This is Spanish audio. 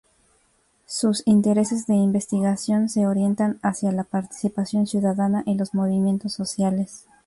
Sus intereses de investigación se orientan hacia la participación ciudadana y los movimientos sociales.